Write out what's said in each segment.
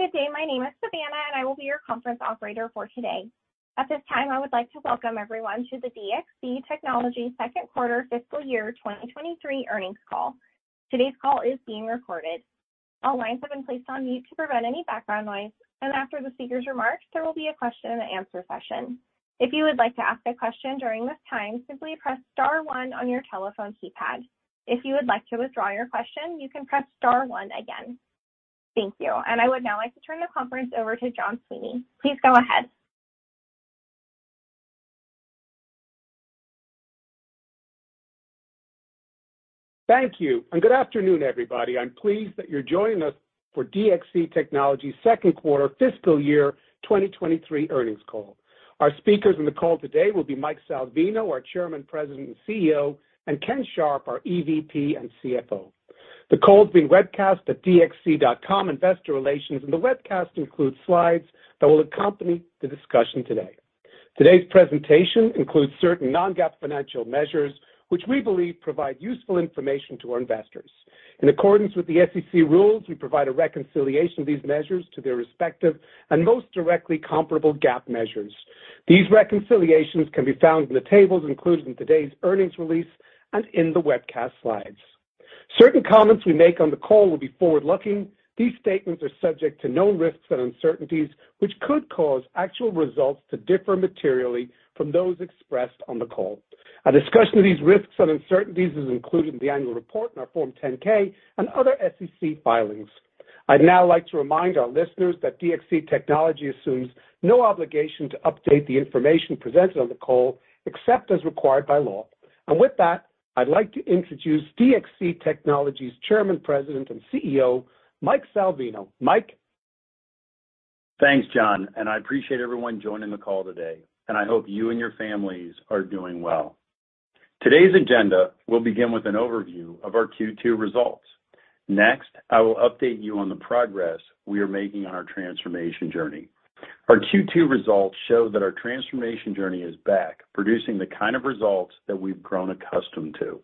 Good day. My name is Savannah, and I will be your conference operator for today. At this time, I would like to welcome everyone to the DXC Technology second quarter fiscal year 2023 earnings call. Today's call is being recorded. All lines have been placed on mute to prevent any background noise, and after the speakers' remarks, there will be a question and answer session. If you would like to ask a question during this time, simply press star one on your telephone keypad. If you would like to withdraw your question, you can press star one again. Thank you. I would now like to turn the conference over to John Sweeney. Please go ahead. Thank you, and good afternoon, everybody. I'm pleased that you're joining us for DXC Technology's second quarter fiscal year 2023 earnings call. Our speakers on the call today will be Mike Salvino, our Chairman, President, and CEO, and Ken Sharp, our EVP and CFO. The call is being webcast at dxc.com Investor Relations, and the webcast includes slides that will accompany the discussion today. Today's presentation includes certain non-GAAP financial measures which we believe provide useful information to our investors. In accordance with the SEC rules, we provide a reconciliation of these measures to their respective and most directly comparable GAAP measures. These reconciliations can be found in the tables included in today's earnings release and in the webcast slides. Certain comments we make on the call will be forward-looking. These statements are subject to known risks and uncertainties, which could cause actual results to differ materially from those expressed on the call. A discussion of these risks and uncertainties is included in the annual report in our Form 10-K and other SEC filings. I'd now like to remind our listeners that DXC Technology assumes no obligation to update the information presented on the call except as required by law. With that, I'd like to introduce DXC Technology's Chairman, President, and CEO, Mike Salvino. Mike? Thanks, John, and I appreciate everyone joining the call today, and I hope you and your families are doing well. Today's agenda will begin with an overview of our Q2 results. Next, I will update you on the progress we are making on our transformation journey. Our Q2 results show that our transformation journey is back, producing the kind of results that we've grown accustomed to.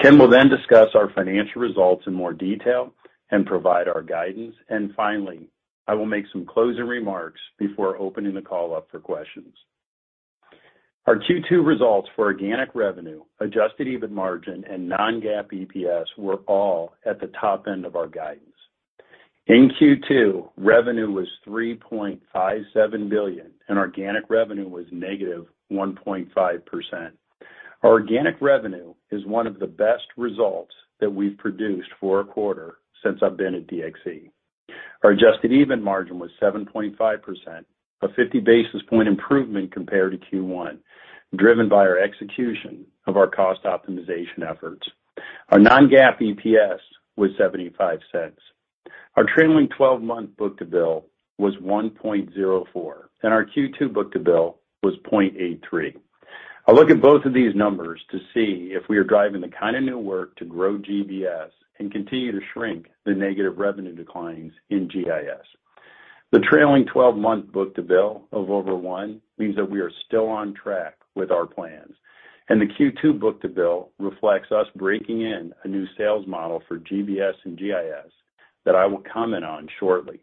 Ken will then discuss our financial results in more detail and provide our guidance. Finally, I will make some closing remarks before opening the call up for questions. Our Q2 results for organic revenue, adjusted EBIT margin, and non-GAAP EPS were all at the top end of our guidance. In Q2, revenue was $3.57 billion, and organic revenue was -1.5%. Our organic revenue is one of the best results that we've produced for a quarter since I've been at DXC. Our adjusted EBIT margin was 7.5%, a 50 basis points improvement compared to Q1, driven by our execution of our cost optimization efforts. Our non-GAAP EPS was $0.75. Our trailing 12-month book-to-bill was 1.04, and our Q2 book-to-bill was 0.83. I look at both of these numbers to see if we are driving the kind of new work to grow GBS and continue to shrink the negative revenue declines in GIS. The trailing 12-month book-to-bill of over one means that we are still on track with our plans, and the Q2 book-to-bill reflects us breaking in a new sales model for GBS and GIS that I will comment on shortly.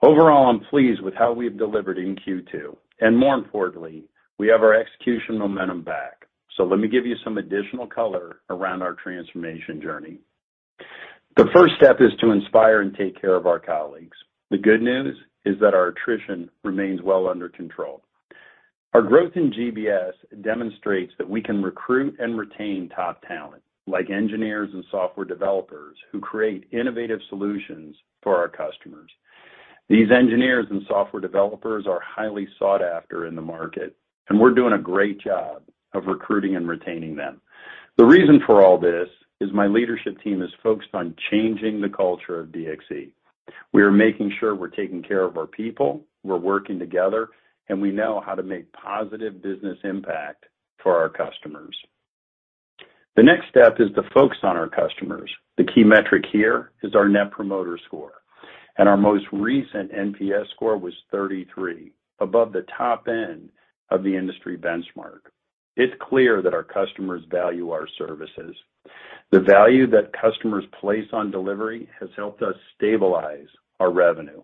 Overall, I'm pleased with how we've delivered in Q2, and more importantly, we have our execution momentum back. Let me give you some additional color around our transformation journey. The first step is to inspire and take care of our colleagues. The good news is that our attrition remains well under control. Our growth in GBS demonstrates that we can recruit and retain top talent, like engineers and software developers who create innovative solutions for our customers. These engineers and software developers are highly sought after in the market, and we're doing a great job of recruiting and retaining them. The reason for all this is my leadership team is focused on changing the culture of DXC. We are making sure we're taking care of our people, we're working together, and we know how to make positive business impact for our customers. The next step is to focus on our customers. The key metric here is our Net Promoter Score, and our most recent NPS score was 33, above the top end of the industry benchmark. It's clear that our customers value our services. The value that customers place on delivery has helped us stabilize our revenue.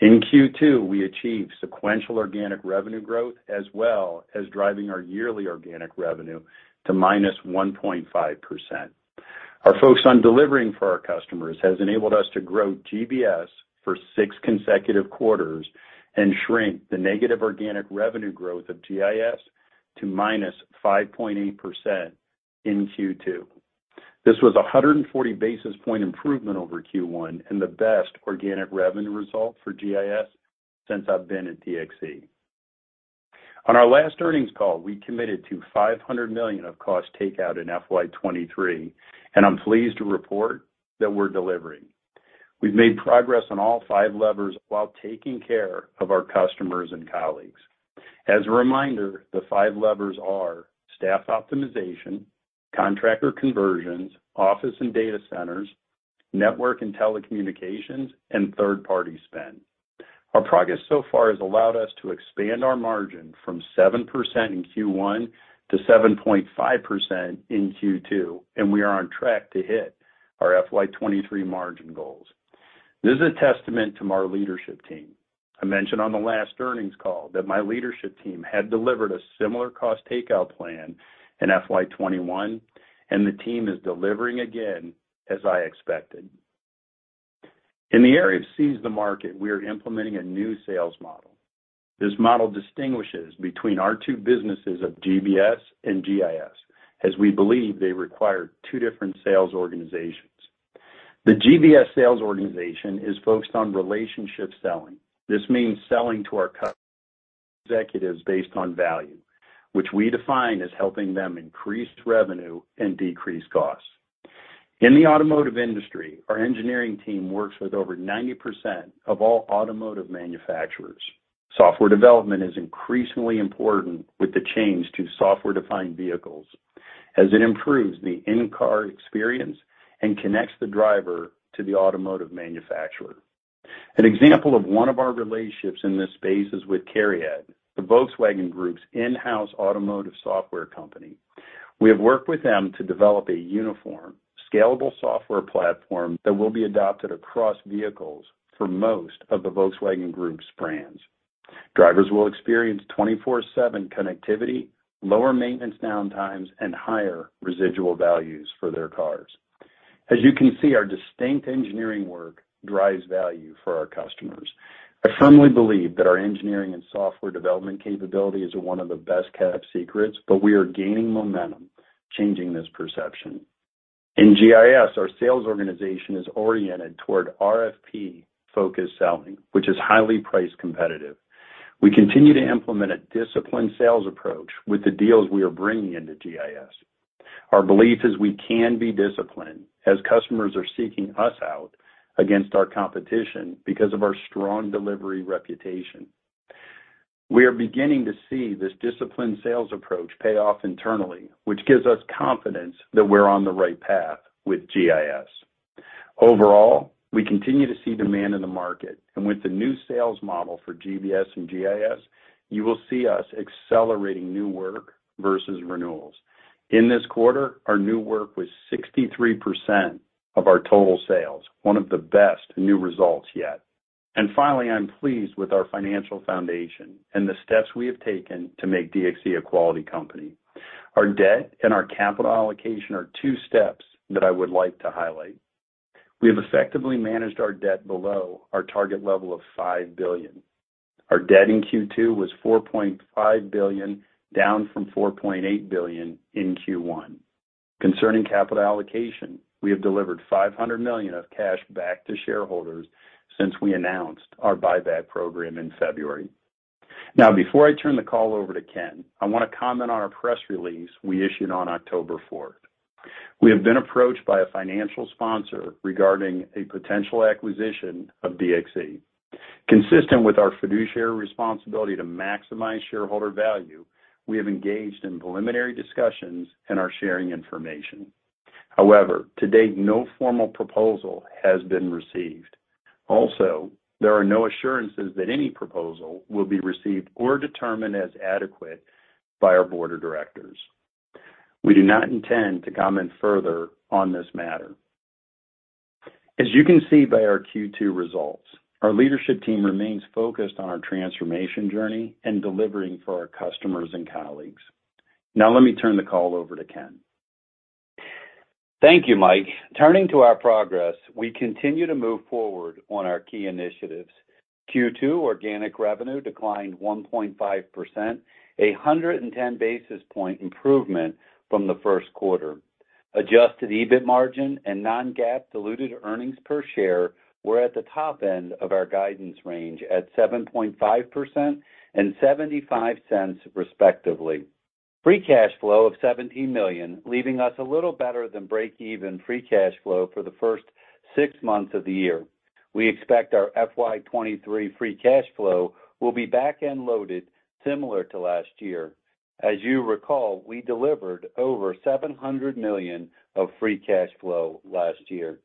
In Q2, we achieved sequential organic revenue growth, as well as driving our yearly organic revenue to -1.5%. Our focus on delivering for our customers has enabled us to grow GBS for six consecutive quarters and shrink the negative organic revenue growth of GIS to -5.8% in Q2. This was a 140 basis points improvement over Q1 and the best organic revenue result for GIS since I've been at DXC. On our last earnings call, we committed to $500 million of cost takeout in FY 2023, and I'm pleased to report that we're delivering. We've made progress on all five levers while taking care of our customers and colleagues. As a reminder, the five levers are staff optimization, contractor conversions, office and data centers, network and telecommunications, and third-party spend. Our progress so far has allowed us to expand our margin from 7% in Q1 to 7.5% in Q2, and we are on track to hit our FY 2023 margin goals. This is a testament to our leadership team. I mentioned on the last earnings call that my leadership team had delivered a similar cost takeout plan in FY 2021, and the team is delivering again, as I expected. In the area of seize the market, we are implementing a new sales model. This model distinguishes between our two businesses of GBS and GIS, as we believe they require two different sales organizations. The GBS sales organization is focused on relationship selling. This means selling to our executives based on value, which we define as helping them increase revenue and decrease costs. In the automotive industry, our engineering team works with over 90% of all automotive manufacturers. Software development is increasingly important with the change to Software-Defined Vehicles as it improves the in-car experience and connects the driver to the automotive manufacturer. An example of one of our relationships in this space is with Cariad, the Volkswagen Group's in-house automotive software company. We have worked with them to develop a uniform, scalable software platform that will be adopted across vehicles for most of the Volkswagen Group's brands. Drivers will experience 24/7 connectivity, lower maintenance downtimes, and higher residual values for their cars. As you can see, our distinct engineering work drives value for our customers. I firmly believe that our engineering and software development capabilities are one of the best-kept secrets, but we are gaining momentum changing this perception. In GIS, our sales organization is oriented toward RFP-focused selling, which is highly price competitive. We continue to implement a disciplined sales approach with the deals we are bringing into GIS. Our belief is we can be disciplined as customers are seeking us out against our competition because of our strong delivery reputation. We are beginning to see this disciplined sales approach pay off internally, which gives us confidence that we're on the right path with GIS. Overall, we continue to see demand in the market, and with the new sales model for GBS and GIS, you will see us accelerating new work versus renewals. In this quarter, our new work was 63% of our total sales, one of the best new results yet. Finally, I'm pleased with our financial foundation and the steps we have taken to make DXC a quality company. Our debt and our capital allocation are two steps that I would like to highlight. We have effectively managed our debt below our target level of $5 billion. Our debt in Q2 was $4.5 billion, down from $4.8 billion in Q1. Concerning capital allocation, we have delivered $500 million of cash back to shareholders since we announced our buyback program in February. Now, before I turn the call over to Ken, I wanna comment on our press release we issued on October fourth. We have been approached by a financial sponsor regarding a potential acquisition of DXC. Consistent with our fiduciary responsibility to maximize shareholder value, we have engaged in preliminary discussions and are sharing information. However, to date, no formal proposal has been received. Also, there are no assurances that any proposal will be received or determined as adequate by our board of directors. We do not intend to comment further on this matter. As you can see by our Q2 results, our leadership team remains focused on our transformation journey and delivering for our customers and colleagues. Now let me turn the call over to Ken. Thank you, Mike. Turning to our progress, we continue to move forward on our key initiatives. Q2 organic revenue declined 1.5%, 110 basis points improvement from the first quarter. Adjusted EBIT margin and non-GAAP diluted earnings per share were at the top end of our guidance range at 7.5% and $0.75, respectively. Free cash flow of $17 million, leaving us a little better than break-even free cash flow for the first six months of the year. We expect our FY23 free cash flow will be back-end loaded, similar to last year. As you recall, we delivered over $700 million of free cash flow last year.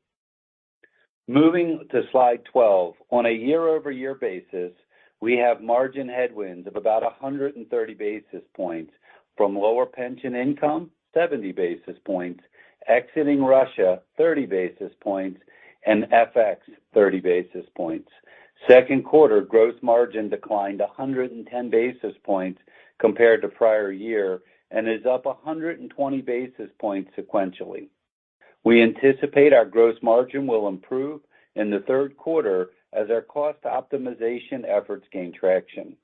Moving to slide 12. On a year-over-year basis, we have margin headwinds of about 130 basis points from lower pension income, 70 basis points, exiting Russia, 30 basis points, and FX, 30 basis points. Second quarter gross margin declined 110 basis points compared to prior year and is up 120 basis points sequentially. We anticipate our gross margin will improve in the third quarter as our cost optimization efforts gain traction.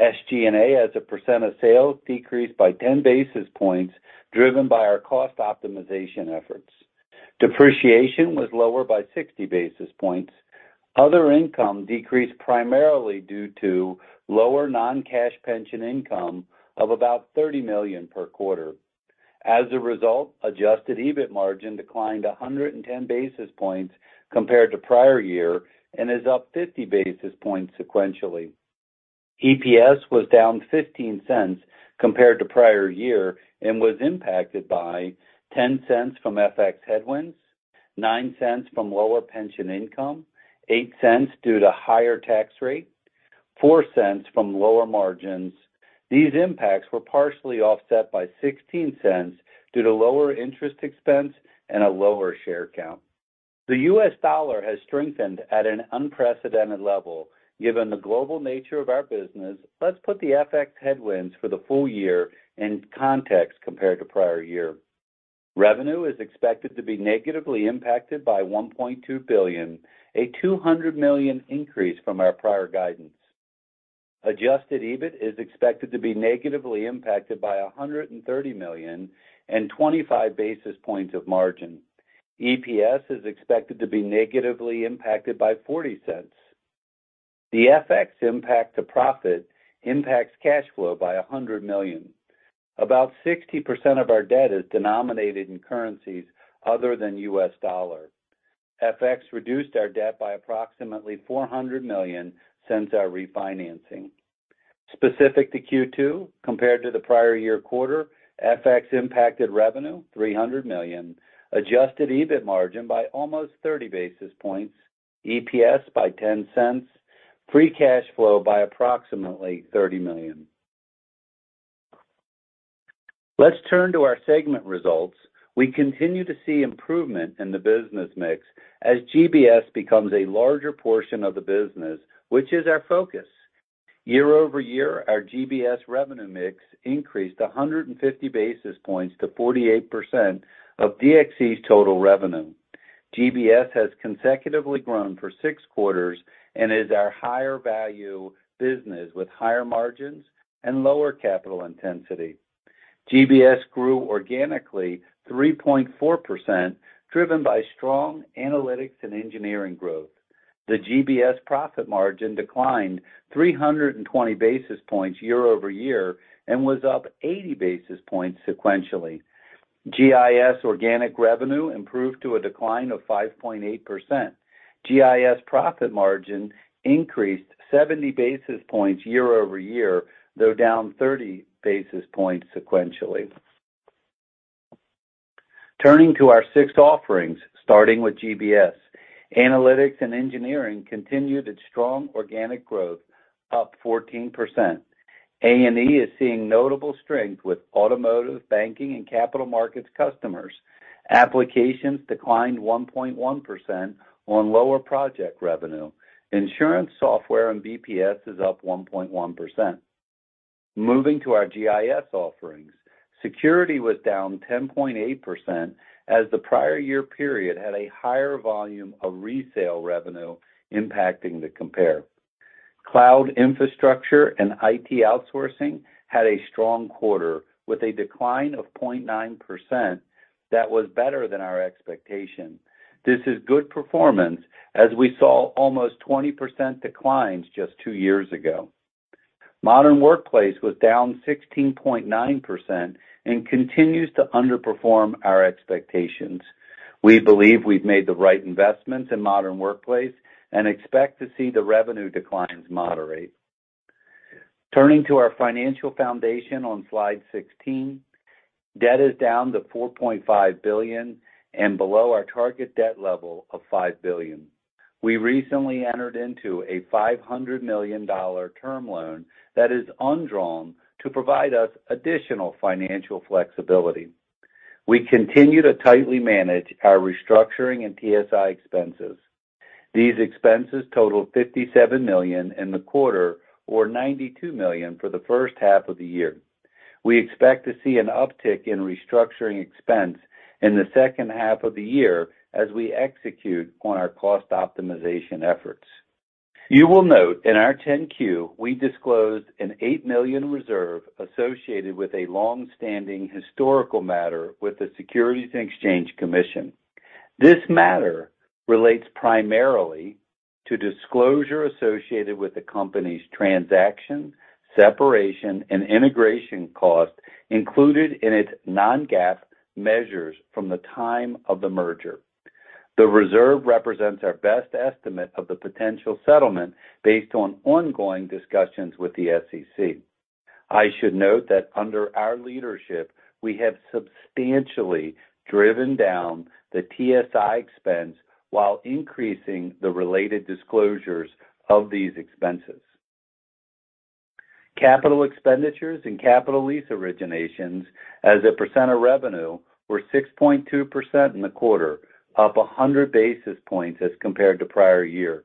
SG&A, as a % of sales, decreased by 10 basis points, driven by our cost optimization efforts. Depreciation was lower by 60 basis points. Other income decreased primarily due to lower non-cash pension income of about $30 million per quarter. As a result, adjusted EBIT margin declined 110 basis points compared to prior year and is up 50 basis points sequentially. EPS was down $0.15 compared to prior year and was impacted by -$0.10 from FX headwinds, -$0.09 from lower pension income, -$0.08 due to higher tax rate, -$0.04 from lower margins. These impacts were partially offset by +$0.16 due to lower interest expense and a lower share count. The U.S. dollar has strengthened at an unprecedented level. Given the global nature of our business, let's put the FX headwinds for the full year in context compared to prior year. Revenue is expected to be negatively impacted by -$1.2 billion, a $200 million increase from our prior guidance. Adjusted EBIT is expected to be negatively impacted by -$130 million and 25 basis points of margin. EPS is expected to be negatively impacted by -$0.40. The FX impact to profit impacts cash flow by -$100 million. About 60% of our debt is denominated in currencies other than U.S. dollar. FX reduced our debt by approximately $400 million since our refinancing. Specific to Q2 compared to the prior year quarter, FX impacted revenue $300 million, adjusted EBIT margin by almost 30 basis points, EPS by $0.10, free cash flow by approximately $30 million. Let's turn to our segment results. We continue to see improvement in the business mix as GBS becomes a larger portion of the business, which is our focus. Year-over-year, our GBS revenue mix increased 150 basis points to 48% of DXC's total revenue. GBS has consecutively grown for six quarters and is our higher value business with higher margins and lower capital intensity. GBS grew organically 3.4%, driven by strong Analytics and Engineering growth. The GBS profit margin declined 320 basis points year-over-year and was up 80 basis points sequentially. GIS organic revenue improved to a decline of 5.8%. GIS profit margin increased 70 basis points year-over-year, though down 30 basis points sequentially. Turning to our six offerings, starting with GBS. Analytics and Engineering continued its strong organic growth, up 14%. A&E is seeing notable strength with automotive, banking, and capital markets customers. Applications declined 1.1% on lower project revenue. Insurance Software and BPS is up 1.1%. Moving to our GIS offerings. Security was down 10.8% as the prior year period had a higher volume of resale revenue impacting the compare. Cloud Infrastructure and IT Outsourcing had a strong quarter with a decline of 0.9% that was better than our expectation. This is good performance as we saw almost 20% declines just two years ago. Modern Workplace was down 16.9% and continues to underperform our expectations. We believe we've made the right investments in Modern Workplace and expect to see the revenue declines moderate. Turning to our financial foundation on slide 16. Debt is down to $4.5 billion and below our target debt level of $5 billion. We recently entered into a $500 million term loan that is undrawn to provide us additional financial flexibility. We continue to tightly manage our restructuring and TSI expenses. These expenses totaled $57 million in the quarter, or $92 million for the first half of the year. We expect to see an uptick in restructuring expense in the second half of the year as we execute on our cost optimization efforts. You will note in our 10-Q, we disclosed an $8 million reserve associated with a long-standing historical matter with the Securities and Exchange Commission. This matter relates primarily to disclosure associated with the company's transaction, separation, and integration costs included in its non-GAAP measures from the time of the merger. The reserve represents our best estimate of the potential settlement based on ongoing discussions with the SEC. I should note that under our leadership, we have substantially driven down the TSI expense while increasing the related disclosures of these expenses. Capital expenditures and capital lease originations as a percent of revenue were 6.2% in the quarter, up 100 basis points as compared to prior year.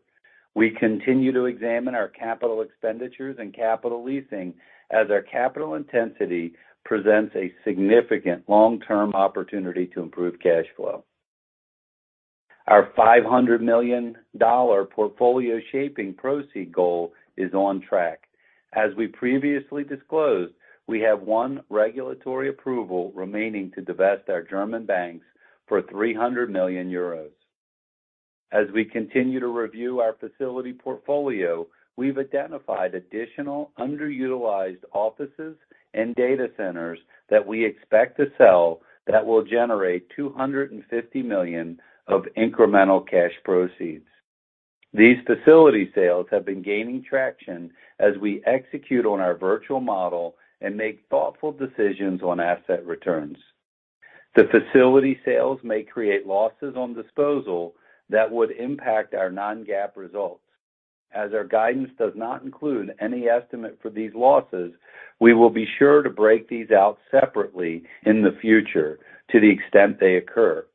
We continue to examine our capital expenditures and capital leasing as our capital intensity presents a significant long-term opportunity to improve cash flow. Our $500 million portfolio shaping proceeds goal is on track. As we previously disclosed, we have one regulatory approval remaining to divest our German banks for 300 million euros. As we continue to review our facility portfolio, we've identified additional underutilized offices and data centers that we expect to sell that will generate $250 million of incremental cash proceeds. These facility sales have been gaining traction as we execute on our virtual model and make thoughtful decisions on asset returns. The facility sales may create losses on disposal that would impact our non-GAAP results. As our guidance does not include any estimate for these losses, we will be sure to break these out separately in the future to the extent they occur.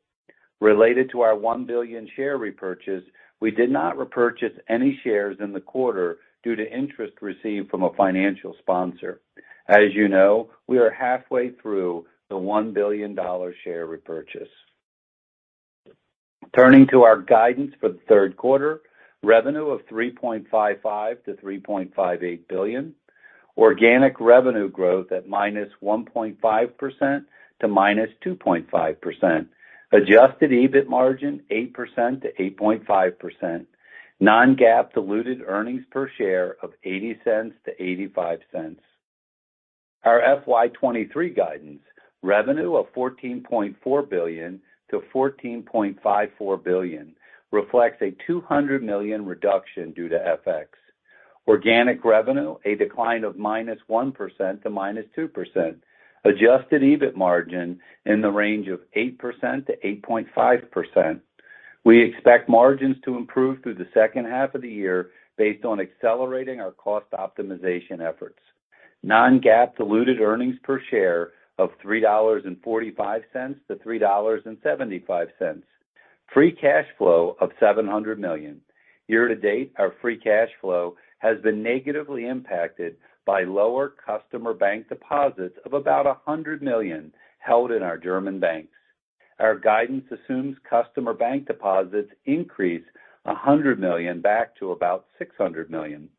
Related to our $1 billion share repurchase, we did not repurchase any shares in the quarter due to interest received from a financial sponsor. As you know, we are halfway through the $1 billion share repurchase. Turning to our guidance for the third quarter, revenue of $3.55 billion-$3.58 billion. Organic revenue growth at -1.5% to -2.5%. Adjusted EBIT margin, 8%-8.5%. Non-GAAP diluted earnings per share of $0.80-$0.85. Our FY23 guidance, revenue of $14.4 billion-$14.54 billion reflects a $200 million reduction due to FX. Organic revenue, a decline of -1% to -2%. Adjusted EBIT margin in the range of 8%-8.5%. We expect margins to improve through the second half of the year based on accelerating our cost optimization efforts. Non-GAAP diluted earnings per share of $3.45 to $3.75. Free cash flow of $700 million. Year to date, our free cash flow has been negatively impacted by lower customer bank deposits of about $100 million held in our German banks. Our guidance assumes customer bank deposits increase $100 million back to about $600 million.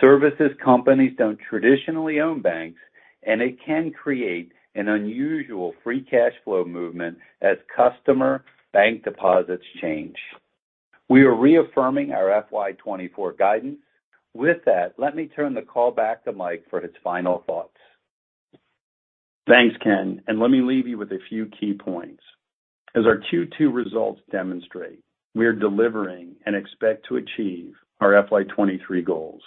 Services companies don't traditionally own banks, and it can create an unusual free cash flow movement as customer bank deposits change. We are reaffirming our FY 2024 guidance. With that, let me turn the call back to Mike for his final thoughts. Thanks, Ken, and let me leave you with a few key points. As our Q2 results demonstrate, we are delivering and expect to achieve our FY23 goals.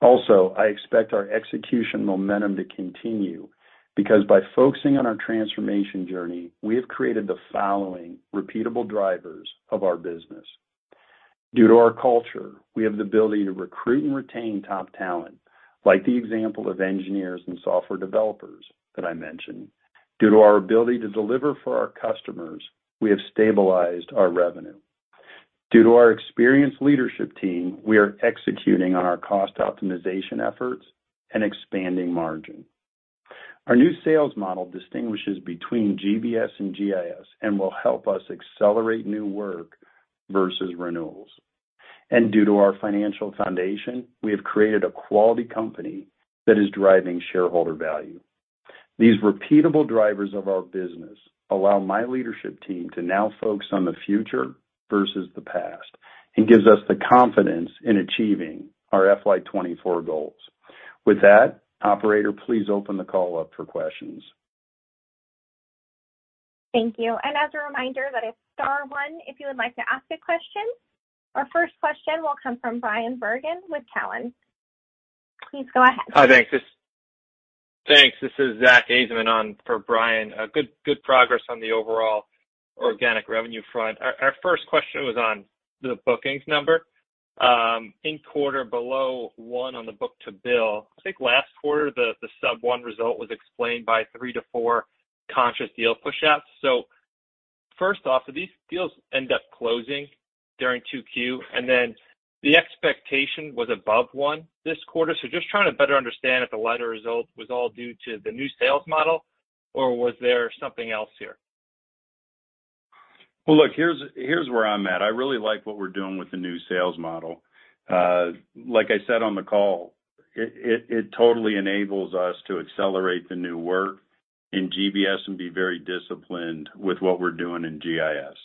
Also, I expect our execution momentum to continue because by focusing on our transformation journey, we have created the following repeatable drivers of our business. Due to our culture, we have the ability to recruit and retain top talent, like the example of engineers and software developers that I mentioned. Due to our ability to deliver for our customers, we have stabilized our revenue. Due to our experienced leadership team, we are executing on our cost optimization efforts and expanding margin. Our new sales model distinguishes between GBS and GIS and will help us accelerate new work versus renewals. Due to our financial foundation, we have created a quality company that is driving shareholder value. These repeatable drivers of our business allow my leadership team to now focus on the future versus the past and gives us the confidence in achieving our FY24 goals. With that, operator, please open the call up for questions. Thank you. As a reminder, that is star one if you would like to ask a question. Our first question will come from Brian Bergen with Cowen. Please go ahead. Hi. Thanks. This is Zach Ajzenman on for Brian. Good progress on the overall organic revenue front. Our first question was on the bookings number in Q1 below one on the book-to-bill. I think last quarter, the sub-one result was explained by three to four conscious deal pushouts. First off, do these deals end up closing during 2Q? Then the expectation was above one this quarter. Just trying to better understand if the lighter result was all due to the new sales model, or was there something else here? Well, look, here's where I'm at. I really like what we're doing with the new sales model. Like I said on the call, it totally enables us to accelerate the new work in GBS and be very disciplined with what we're doing in GIS.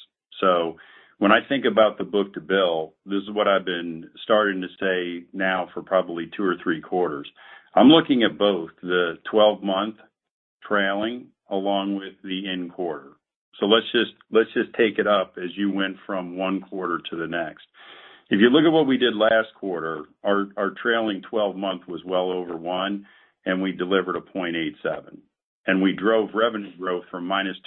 When I think about the book-to-bill, this is what I've been starting to say now for probably two or three quarters. I'm looking at both the 12-month trailing along with the in-quarter. Let's just take it up as you went from one quarter to the next. If you look at what we did last quarter, our trailing 12-month was well over one, and we delivered 0.87. We drove revenue growth from -2.6%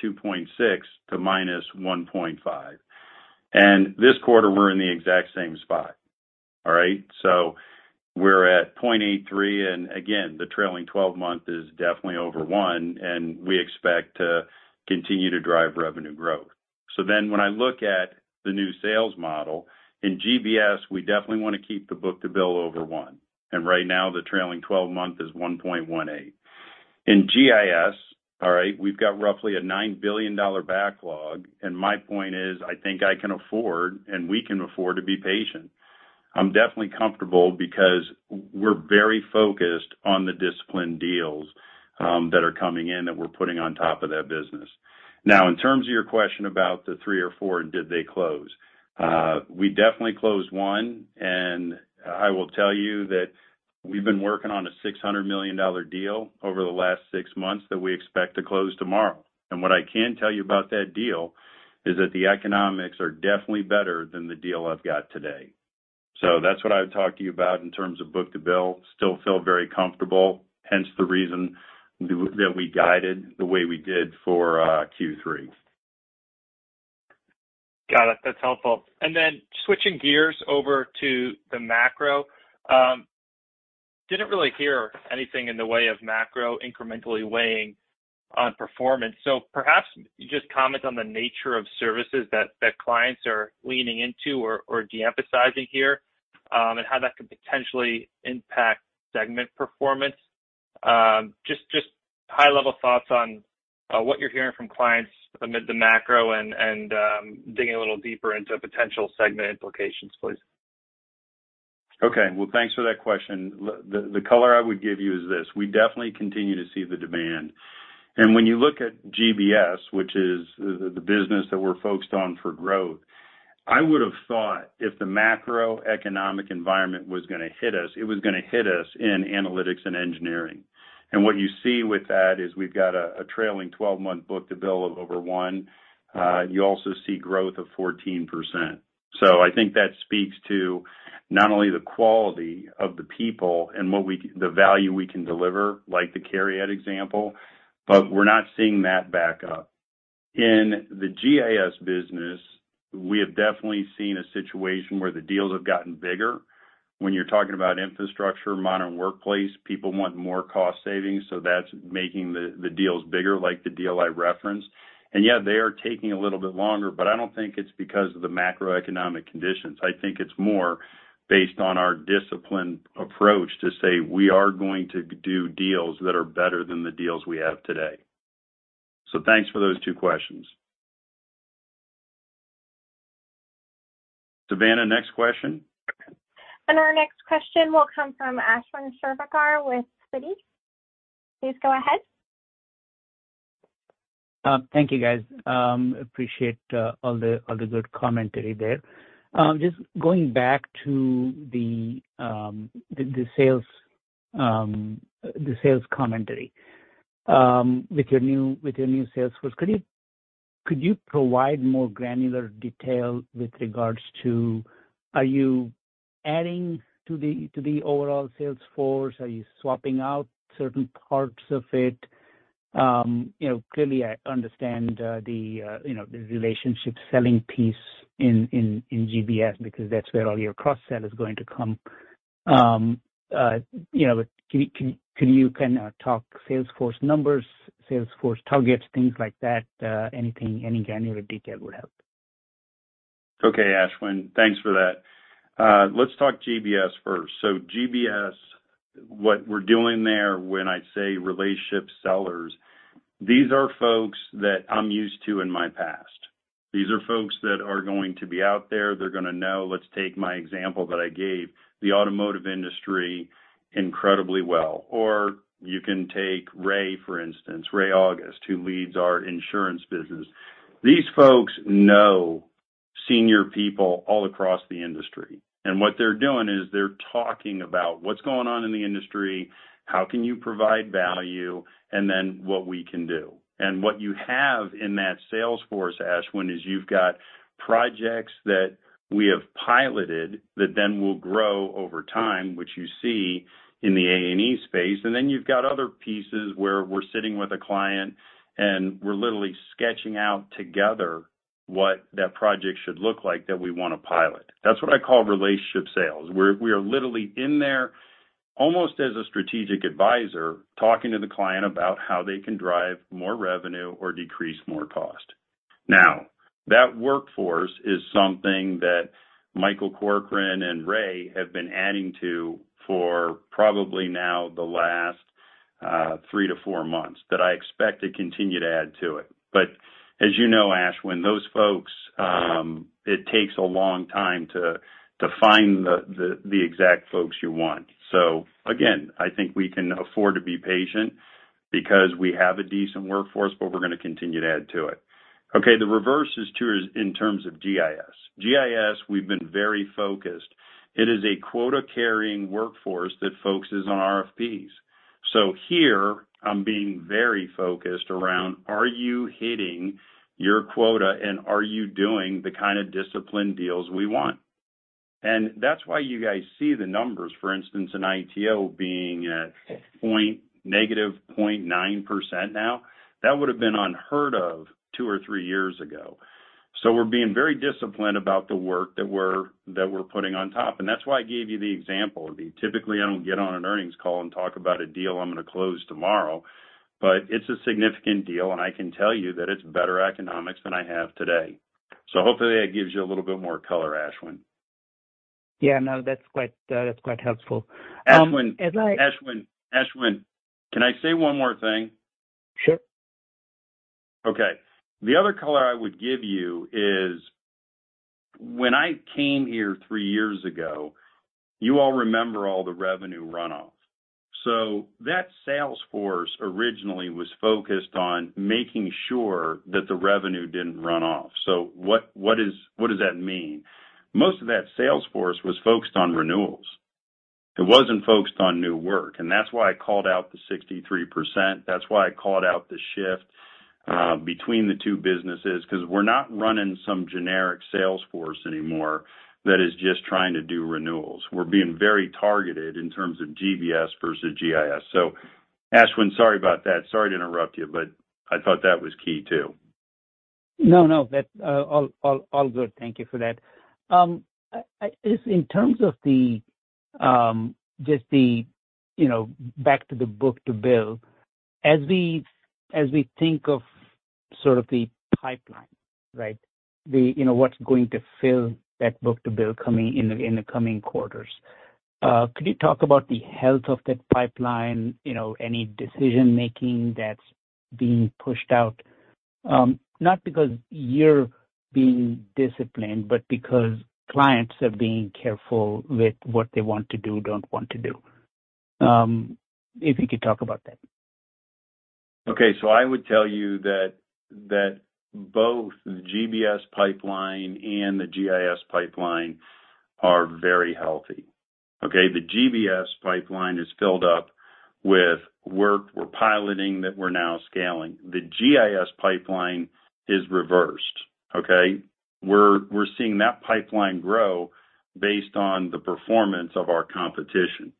to -1.5%. This quarter we're in the exact same spot. All right? We're at 0.83, and again, the trailing 12-month is definitely over one, and we expect to continue to drive revenue growth. When I look at the new sales model, in GBS, we definitely wanna keep the book-to-bill over one. Right now, the trailing 12-month is 1.18. In GIS, all right, we've got roughly a $9 billion backlog, and my point is, I think I can afford, and we can afford to be patient. I'm definitely comfortable because we're very focused on the disciplined deals that are coming in that we're putting on top of that business. Now, in terms of your question about the three or four and did they close? We definitely closed one, and I will tell you that we've been working on a $600 million deal over the last six months that we expect to close tomorrow. What I can tell you about that deal is that the economics are definitely better than the deal I've got today. That's what I would talk to you about in terms of book-to-bill. Still feel very comfortable, hence the reason that we guided the way we did for Q3. Got it. That's helpful. Switching gears over to the macro, didn't really hear anything in the way of macro incrementally weighing on performance. Perhaps just comment on the nature of services that clients are leaning into or de-emphasizing here, and how that could potentially impact segment performance. Just high-level thoughts on what you're hearing from clients amid the macro and digging a little deeper into potential segment implications, please. Okay. Well, thanks for that question. The color I would give you is this: We definitely continue to see the demand. When you look at GBS, which is the business that we're focused on for growth, I would've thought if the macroeconomic environment was gonna hit us, it was gonna hit us in analytics and engineering. What you see with that is we've got a trailing 12-month book-to-bill of over one. You also see growth of 14%. I think that speaks to not only the quality of the people and the value we can deliver, like the Cariad example, but we're not seeing that back up. In the GIS business, we have definitely seen a situation where the deals have gotten bigger. When you're talking about infrastructure, Modern Workplace, people want more cost savings, so that's making the deals bigger, like the deal I referenced. Yeah, they are taking a little bit longer, but I don't think it's because of the macroeconomic conditions. I think it's more based on our disciplined approach to say we are going to do deals that are better than the deals we have today. Thanks for those two questions. Savannah, next question. Our next question will come from Ashwin Shirvaikar with Citi. Please go ahead. Thank you, guys. Appreciate all the good commentary there. Just going back to the sales commentary. With your new sales force, could you provide more granular detail with regards to, are you adding to the overall sales force? Are you swapping out certain parts of it? You know, clearly I understand the relationship selling piece in GBS because that's where all your cross-sell is going to come. You know, but can you kinda talk sales force numbers, sales force targets, things like that, any granular detail would help. Okay, Ashwin. Thanks for that. Let's talk GBS first. GBS, what we're doing there when I say relationship sellers, these are folks that I'm used to in my past. These are folks that are going to be out there. They're gonna know, let's take my example that I gave, the automotive industry incredibly well. Or you can take Ray, for instance, Ray August, who leads our insurance business. These folks know senior people all across the industry, and what they're doing is they're talking about what's going on in the industry, how can you provide value, and then what we can do. What you have in that sales force, Ashwin, is you've got projects that we have piloted that then will grow over time, which you see in the A&E space. You've got other pieces where we're sitting with a client, and we're literally sketching out together what that project should look like that we wanna pilot. That's what I call relationship sales, where we are literally in there almost as a strategic advisor talking to the client about how they can drive more revenue or decrease more cost. Now, that workforce is something that Michael Corcoran and Ray have been adding to for probably now the last three to four months, that I expect to continue to add to it. As you know, Ashwin, those folks, it takes a long time to find the exact folks you want. So again, I think we can afford to be patient because we have a decent workforce, but we're gonna continue to add to it. Okay, the reverse is true in terms of GIS. GIS, we've been very focused. It is a quota-carrying workforce that focuses on RFPs. Here I'm being very focused around are you hitting your quota, and are you doing the kind of disciplined deals we want? That's why you guys see the numbers, for instance, in ITO being at negative 0.9% now. That would've been unheard of two or three years ago. We're being very disciplined about the work that we're putting on top. That's why I gave you the example. Typically I don't get on an earnings call and talk about a deal I'm gonna close tomorrow, but it's a significant deal, and I can tell you that it's better economics than I have today. Hopefully that gives you a little bit more color, Ashwin. Yeah, no, that's quite helpful. Ashwin, can I say one more thing? Sure. Okay. The other color I would give you is when I came here three years ago. You all remember all the revenue run-off. That sales force originally was focused on making sure that the revenue didn't run off. What does that mean? Most of that sales force was focused on renewals. It wasn't focused on new work, and that's why I called out the 63%, that's why I called out the shift between the two businesses, 'cause we're not running some generic sales force anymore that is just trying to do renewals. We're being very targeted in terms of GBS versus GIS. Ashwin, sorry about that. Sorry to interrupt you, but I thought that was key too. No. That all good. Thank you for that. I just in terms of the you know back to the book-to-bill, as we think of sort of the pipeline, right? You know what's going to fill that book-to-bill coming in the coming quarters. Could you talk about the health of that pipeline? You know any decision-making that's being pushed out not because you're being disciplined, but because clients are being careful with what they want to do, don't want to do. If you could talk about that. Okay. I would tell you that both the GBS pipeline and the GIS pipeline are very healthy, okay? The GBS pipeline is filled up with work we're piloting that we're now scaling. The GIS pipeline is reversed, okay? We're seeing that pipeline grow based on the performance of our competition.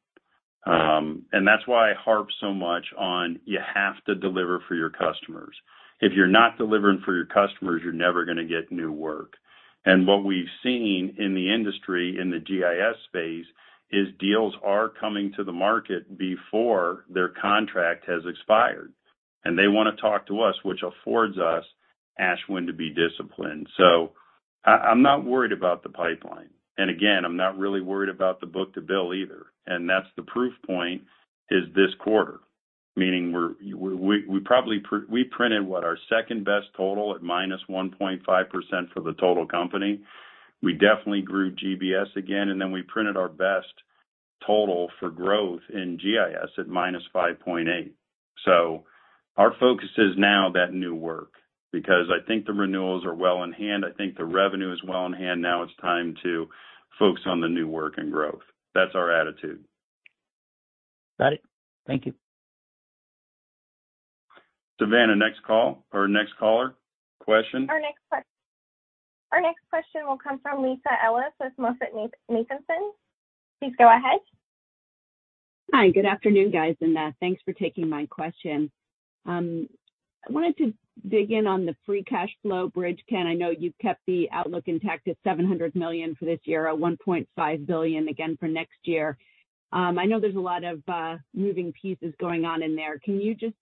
That's why I harp so much on you have to deliver for your customers. If you're not delivering for your customers, you're never gonna get new work. What we've seen in the industry, in the GIS space, is deals are coming to the market before their contract has expired, and they wanna talk to us, which affords us, Ashwin, to be disciplined. I'm not worried about the pipeline. I'm not really worried about the book-to-bill either, and that's the proof point is this quarter, meaning we probably printed what? Our second-best total at -1.5% for the total company. We definitely grew GBS again, and then we printed our best total for growth in GIS at -5.8%. Our focus is now that new work, because I think the renewals are well in hand, I think the revenue is well in hand. Now it's time to focus on the new work and growth. That's our attitude. Got it. Thank you. Savannah, next call or next caller question. Our next question will come from Lisa Ellis with MoffettNathanson. Please go ahead. Hi, good afternoon, guys, and thanks for taking my question. I wanted to dig in on the free cash flow bridge, Ken. I know you've kept the outlook intact at $700 million for this year at $1.5 billion again for next year. I know there's a lot of moving pieces going on in there. Can you just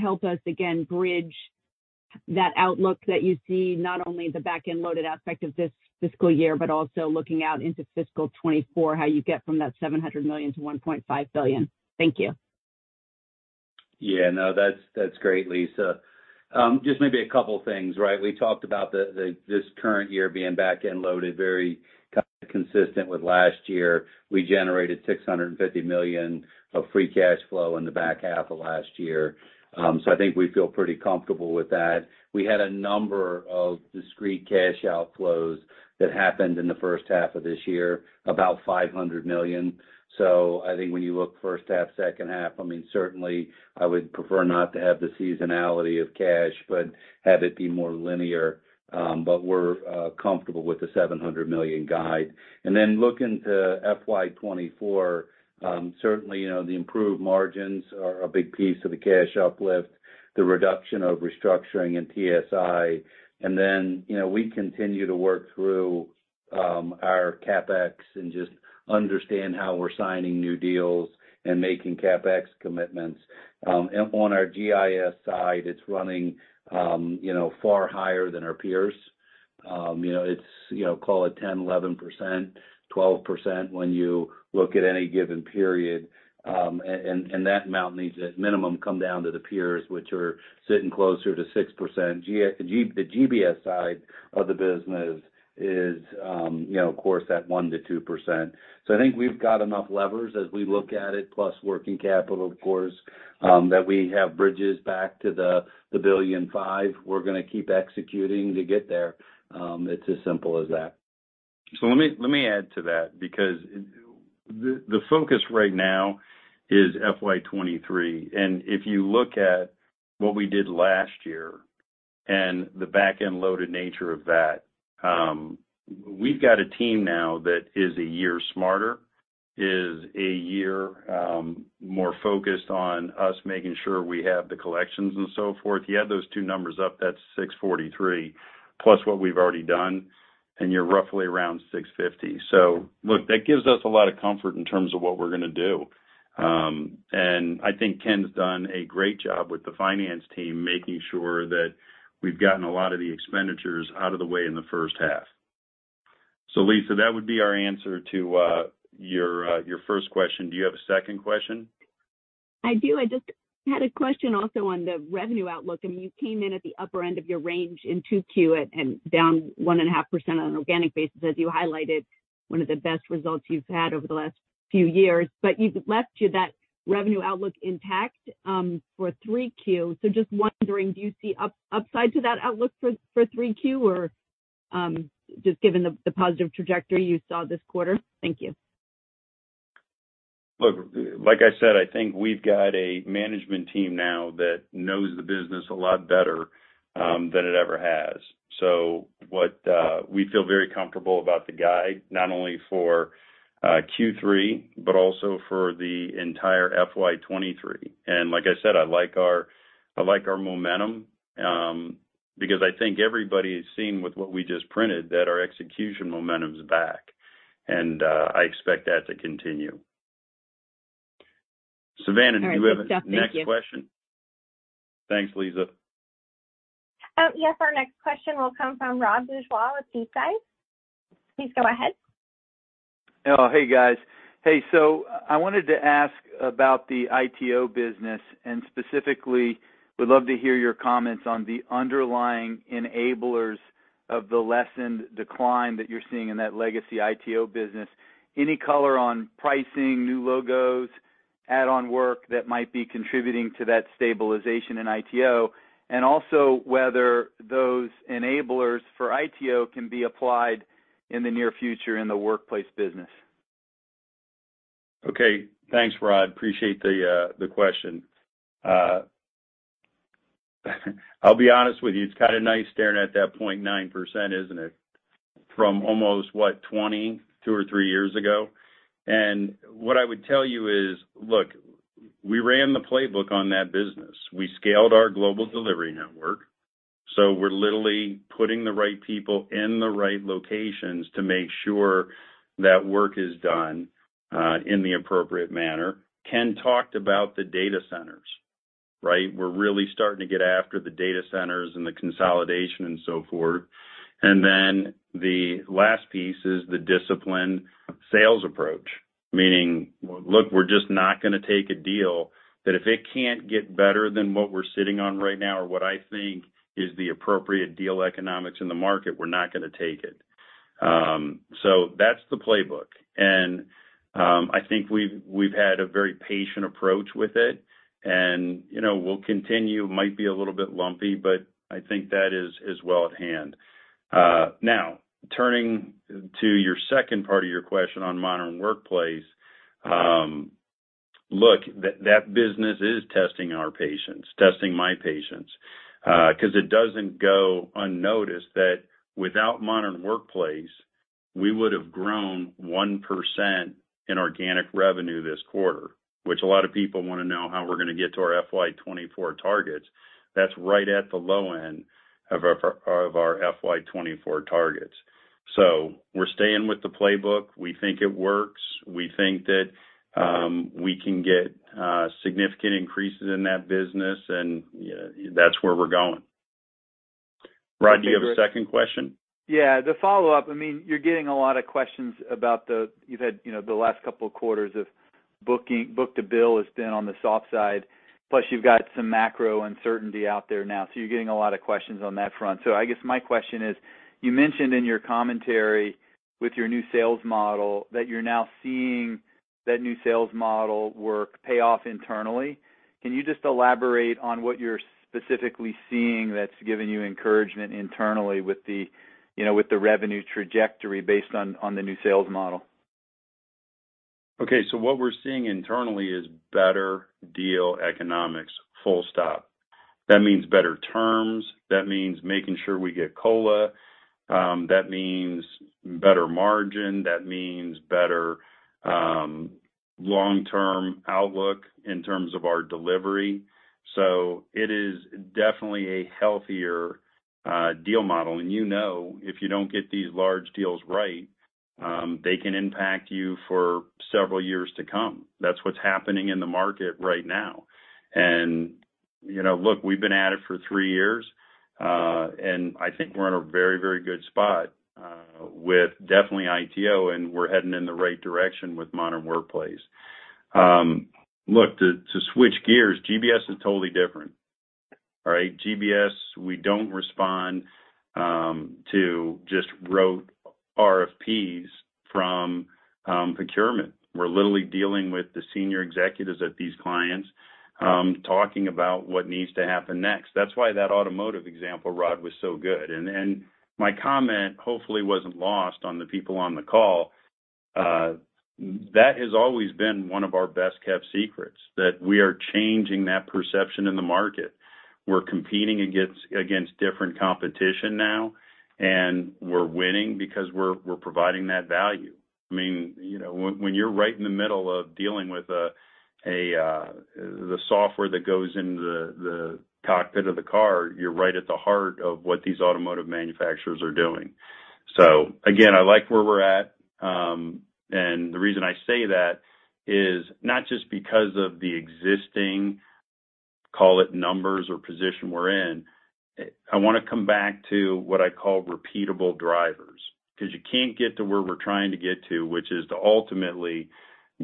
help us again bridge that outlook that you see not only the back-end loaded aspect of this fiscal year, but also looking out into fiscal 2024, how you get from that $700 million to $1.5 billion? Thank you. Yeah, no, that's great, Lisa. Just maybe a couple things, right? We talked about this current year being back-end loaded, very consistent with last year. We generated $650 million of Free Cash Flow in the back half of last year. So I think we feel pretty comfortable with that. We had a number of discrete cash outflows that happened in the first half of this year, about $500 million. So I think when you look first half, second half, I mean, certainly I would prefer not to have the seasonality of cash, but have it be more linear. But we're comfortable with the $700 million guide. Then looking to FY 2024, certainly, you know, the improved margins are a big piece of the cash uplift, the reduction of restructuring and TSI. you know, we continue to work through our CapEx and just understand how we're signing new deals and making CapEx commitments. On our GIS side, it's running you know, far higher than our peers. you know, it's you know, call it 10%, 11%, 12% when you look at any given period. That mountain needs to at minimum come down to the peers, which are sitting closer to 6%. The GBS side of the business is you know, of course at 1%-2%. I think we've got enough levers as we look at it, plus working capital of course, that we have bridges back to the $1.5 billion. We're gonna keep executing to get there. It's as simple as that. Let me add to that because the focus right now is FY 2023. If you look at what we did last year and the back-end loaded nature of that, we've got a team now that is a year smarter, is a year more focused on us making sure we have the collections and so forth. You add those two numbers up, that's $643, plus what we've already done, and you're roughly around $650. Look, that gives us a lot of comfort in terms of what we're gonna do. I think Ken's done a great job with the finance team, making sure that we've gotten a lot of the expenditures out of the way in the first half. Lisa, that would be our answer to your first question. Do you have a second question? I do. I just had a question also on the revenue outlook. I mean, you came in at the upper end of your range in 2Q and down 1.5% on an organic basis, as you highlighted one of the best results you've had over the last few years. You've left that revenue outlook intact for 3Q. Just wondering, do you see upside to that outlook for 3Q or just given the positive trajectory you saw this quarter? Thank you. Look, like I said, I think we've got a management team now that knows the business a lot better than it ever has. What we feel very comfortable about the guide, not only for Q3, but also for the entire FY23. Like I said, I like our momentum because I think everybody has seen with what we just printed, that our execution momentum's back, and I expect that to continue. Savannah, do you have a next question? All right, Jeff. Thank you. Thanks, Lisa. Yes, our next question will come from Rod Bourgeois with DeepDive Equity Research. Please go ahead. Oh, hey, guys. Hey, I wanted to ask about the ITO business, and specifically, would love to hear your comments on the underlying enablers of the lessened decline that you're seeing in that legacy ITO business. Any color on pricing, new logos, add-on work that might be contributing to that stabilization in ITO, and also whether those enablers for ITO can be applied in the near future in the workplace business. Okay. Thanks, Rod. Appreciate the question. I'll be honest with you, it's kinda nice staring at that 0.9%, isn't it? From almost 22 or three years ago. What I would tell you is, look, we ran the playbook on that business. We scaled our Global Delivery Network. We're literally putting the right people in the right locations to make sure that work is done in the appropriate manner. Ken talked about the data centers, right? We're really starting to get after the data centers and the consolidation and so forth. Then the last piece is the disciplined sales approach. Meaning, look, we're just not gonna take a deal that if it can't get better than what we're sitting on right now or what I think is the appropriate deal economics in the market, we're not gonna take it. That's the playbook. I think we've had a very patient approach with it and, you know, we'll continue. Might be a little bit lumpy, but I think that is well at hand. Now turning to your second part of your question on Modern Workplace. Look, that business is testing our patience, testing my patience, 'cause it doesn't go unnoticed that without Modern Workplace, we would have grown 1% in organic revenue this quarter, which a lot of people wanna know how we're gonna get to our FY24 targets. That's right at the low end of our FY24 targets. We're staying with the playbook. We think it works. We think that we can get significant increases in that business, and that's where we're going. Rod, do you have a second question? Yeah. The follow-up, I mean, you're getting a lot of questions about the. You've had, you know, the last couple of quarters of booking, book-to-bill has been on the soft side, plus you've got some macro uncertainty out there now, so you're getting a lot of questions on that front. I guess my question is: you mentioned in your commentary with your new sales model that you're now seeing that new sales model work pay off internally. Can you just elaborate on what you're specifically seeing that's giving you encouragement internally with the, you know, with the revenue trajectory based on the new sales model? Okay, what we're seeing internally is better deal economics, full stop. That means better terms, that means making sure we get COLA, that means better margin, that means better long-term outlook in terms of our delivery. It is definitely a healthier deal model. You know, if you don't get these large deals right, they can impact you for several years to come. That's what's happening in the market right now. You know, look, we've been at it for three years, and I think we're in a very, very good spot with definitely ITO, and we're heading in the right direction with Modern Workplace. Look, to switch gears, GBS is totally different. All right? GBS, we don't respond to just rote RFPs from procurement. We're literally dealing with the senior executives at these clients, talking about what needs to happen next. That's why that automotive example, Rod, was so good. My comment, hopefully wasn't lost on the people on the call. That has always been one of our best-kept secrets, that we are changing that perception in the market. We're competing against different competition now, and we're winning because we're providing that value. I mean, you know, when you're right in the middle of dealing with the software that goes into the cockpit of the car, you're right at the heart of what these automotive manufacturers are doing. Again, I like where we're at. The reason I say that is not just because of the existing, call it, numbers or position we're in. I wanna come back to what I call repeatable drivers. 'Cause you can't get to where we're trying to get to, which is to ultimately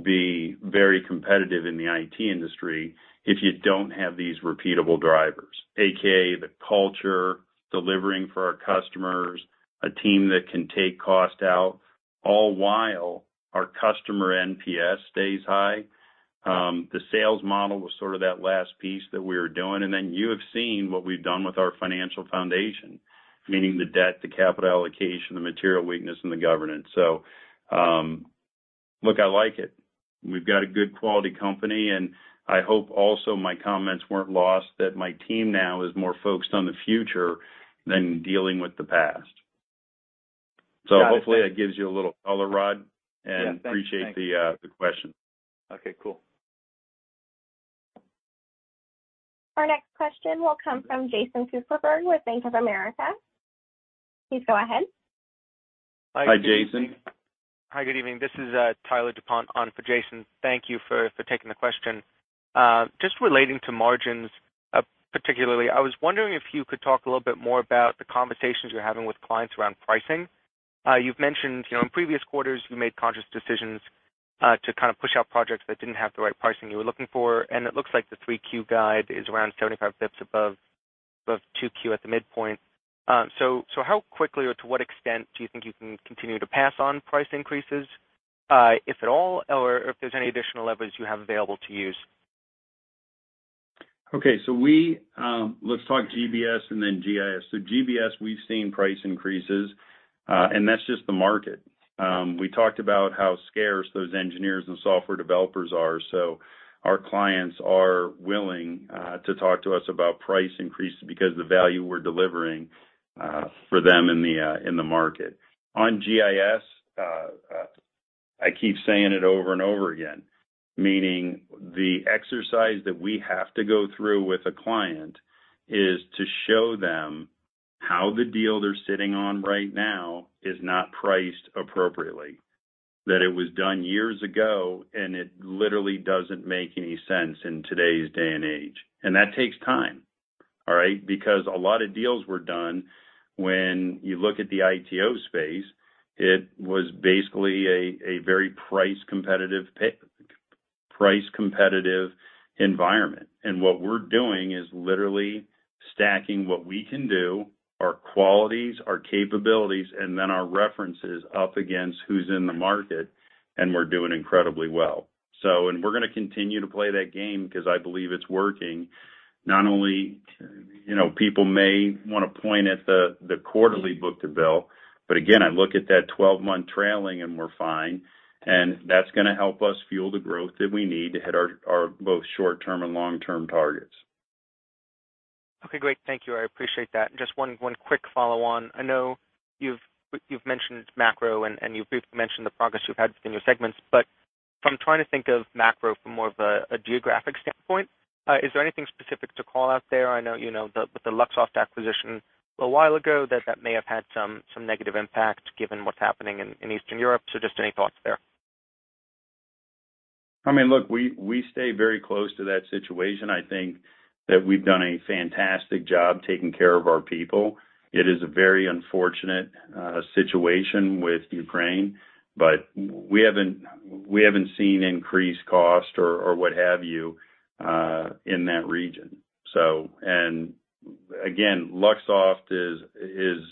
be very competitive in the IT industry, if you don't have these repeatable drivers, aka the culture, delivering for our customers, a team that can take cost out, all while our customer NPS stays high. The sales model was sort of that last piece that we were doing, and then you have seen what we've done with our financial foundation, meaning the debt, the capital allocation, the material weakness and the governance. Look, I like it. We've got a good quality company, and I hope also my comments weren't lost that my team now is more focused on the future than dealing with the past. Got it. Hopefully that gives you a little color, Rod. Yeah. Thanks. Appreciate the question. Okay, cool. Our next question will come from Jason Kupferberg with Bank of America. Please go ahead. Hi, Jason. Hi, good evening. This is Tyler DuPont on for Jason. Thank you for taking the question. Just relating to margins, particularly, I was wondering if you could talk a little bit more about the conversations you're having with clients around pricing. You've mentioned, you know, in previous quarters, you made conscious decisions to kind of push out projects that didn't have the right pricing you were looking for, and it looks like the 3Q guide is around 75 basis points above 2Q at the midpoint. So how quickly or to what extent do you think you can continue to pass on price increases, if at all, or if there's any additional leverage you have available to use? Okay. Let's talk GBS and then GIS. GBS, we've seen price increases, and that's just the market. We talked about how scarce those engineers and software developers are, so our clients are willing to talk to us about price increases because the value we're delivering for them in the market. On GIS, I keep saying it over and over again, meaning the exercise that we have to go through with a client is to show them how the deal they're sitting on right now is not priced appropriately, that it was done years ago, and it literally doesn't make any sense in today's day and age. That takes time, all right? Because a lot of deals were done, when you look at the ITO space, it was basically a very price competitive environment. What we're doing is literally stacking what we can do, our qualities, our capabilities, and then our references up against who's in the market, and we're doing incredibly well. We're gonna continue to play that game 'cause I believe it's working. Not only, you know, people may wanna point at the quarterly book-to-bill, but again, I look at that 12-month trailing and we're fine, and that's gonna help us fuel the growth that we need to hit our both short-term and long-term targets. Okay, great. Thank you. I appreciate that. Just one quick follow on. I know you've mentioned macro and you've briefly mentioned the progress you've had in your segments, but from trying to think of macro from more of a geographic standpoint, is there anything specific to call out there? I know, you know, the, with the Luxoft acquisition a while ago, that may have had some negative impact given what's happening in Eastern Europe. So just any thoughts there? I mean, look, we stay very close to that situation. I think that we've done a fantastic job taking care of our people. It is a very unfortunate situation with Ukraine, but we haven't seen increased cost or what have you in that region. Again, Luxoft is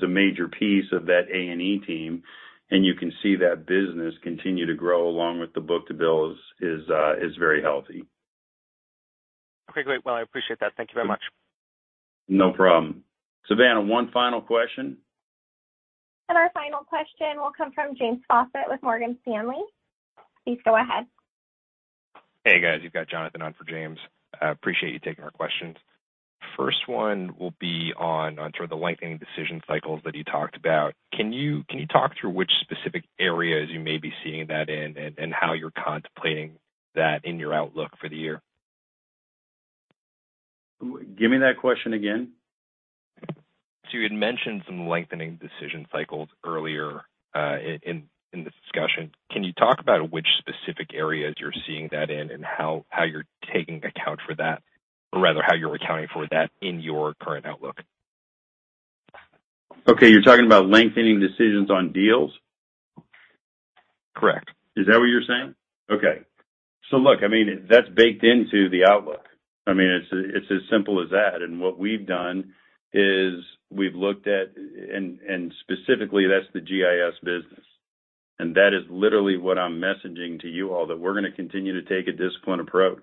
a major piece of that A&E team, and you can see that business continue to grow along with the book-to-bill is very healthy. Okay, great. Well, I appreciate that. Thank you very much. No problem. Savannah, one final question. Our final question will come from James Faucette with Morgan Stanley. Please go ahead. Hey, guys. You've got Jonathan on for James. I appreciate you taking our questions. First one will be on sort of the lengthening decision cycles that you talked about. Can you talk through which specific areas you may be seeing that in and how you're contemplating that in your outlook for the year? Give me that question again. You had mentioned some lengthening decision cycles earlier in this discussion. Can you talk about which specific areas you're seeing that in and how you're taking account for that? Or rather, how you're accounting for that in your current outlook? Okay, you're talking about lengthening decisions on deals? Correct. Is that what you're saying? Okay. Look, I mean, that's baked into the outlook. I mean, it's as simple as that. What we've done is we've looked at and specifically that's the GIS business. That is literally what I'm messaging to you all, that we're gonna continue to take a disciplined approach.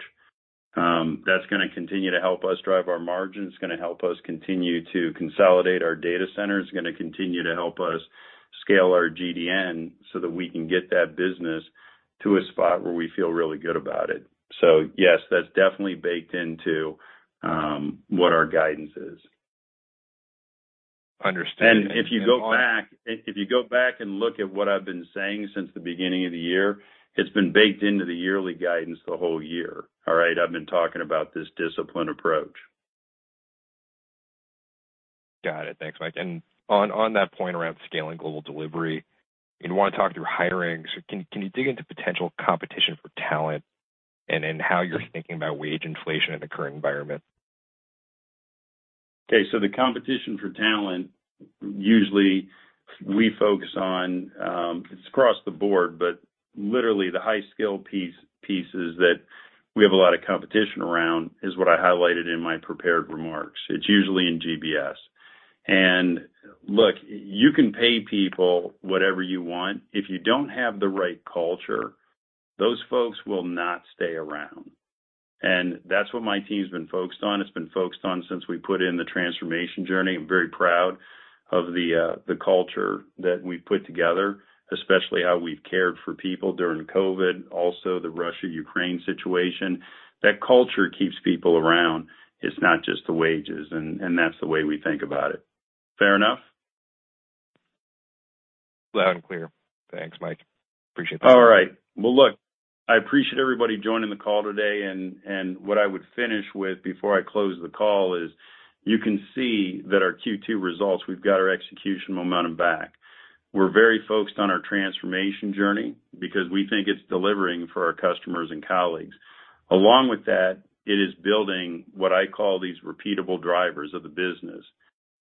That's gonna continue to help us drive our margins. It's gonna help us continue to consolidate our data centers. It's gonna continue to help us scale our GDN so that we can get that business to a spot where we feel really good about it. Yes, that's definitely baked into what our guidance is. Understood. If you go back and look at what I've been saying since the beginning of the year, it's been baked into the yearly guidance the whole year, all right? I've been talking about this disciplined approach. Got it. Thanks, Mike. On that point around scaling global delivery, you wanna talk through hiring. Can you dig into potential competition for talent and how you're thinking about wage inflation in the current environment? Okay, the competition for talent, usually we focus on, it's across the board, but literally the high-skill pieces that we have a lot of competition around is what I highlighted in my prepared remarks. It's usually in GBS. Look, you can pay people whatever you want. If you don't have the right culture, those folks will not stay around. That's what my team's been focused on. It's been focused on since we put in the transformation journey. I'm very proud of the culture that we've put together, especially how we've cared for people during COVID, also the Russia-Ukraine situation. That culture keeps people around. It's not just the wages, and that's the way we think about it. Fair enough? Loud and clear. Thanks, Mike. Appreciate the time. All right. Well, look, I appreciate everybody joining the call today, and what I would finish with before I close the call is you can see that our Q2 results, we've got our execution momentum back. We're very focused on our transformation journey because we think it's delivering for our customers and colleagues. Along with that, it is building what I call these repeatable drivers of the business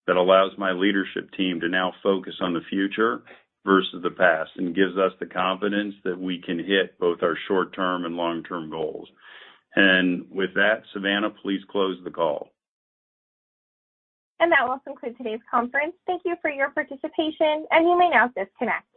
that allows my leadership team to now focus on the future versus the past and gives us the confidence that we can hit both our short-term and long-term goals. With that, Savannah, please close the call. That will conclude today's conference. Thank you for your participation, and you may now disconnect.